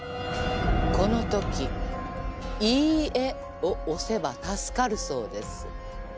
このとき「いいえ」を押せば助かるそうです。